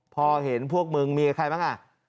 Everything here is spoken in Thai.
พอเห็นพวกมึงมีใครบ้างอ่ะ